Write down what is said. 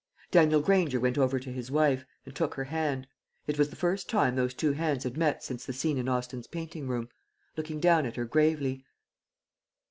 Daniel Granger went over to his wife, and took her hand it was the first time those two hands had met since the scene in Austin's painting room looking down at her gravely.